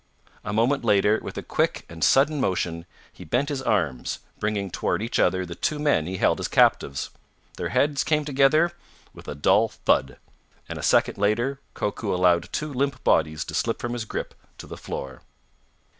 A moment later, with a quick and sudden motion he bent his arms, bringing toward each other the two men he held as captives. Their heads came together with a dull thud, and a second later Koku allowed two limp bodies to slip from his grip to the floor.